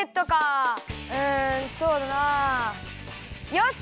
よし！